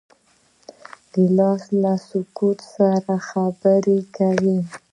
ګیلاس له سکوت سره خبرې کوي.